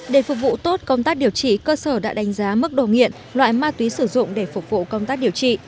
để phục vụ tốt công tác điều trị cơ sở đã đánh giá mức đồ nghiện loại ma túy sử dụng để phục vụ công tác điều trị